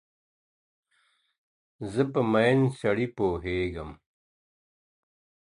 زه په مین سړي پوهېږم.